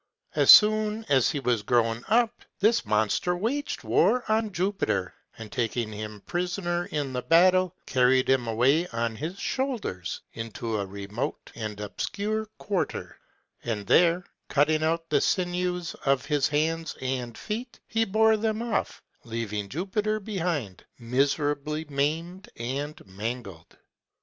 As soon as he was grown up, this monster waged war on Jupiter, and taking him prisoner in the battle, carried him away on his shoulders, into a remote and obscure quarter; and there, cutting out the sinews of his hands and feet, he bore them off, leaving Jupiter behind miserably maimed and mangled.